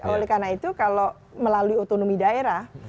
oleh karena itu kalau melalui otonomi daerah